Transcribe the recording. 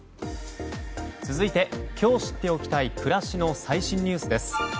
続いて、今日知っておきたい暮らしの最新ニュースです。